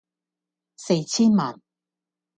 四千萬